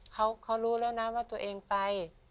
เขารู้แล้วนะว่าตัวเองไป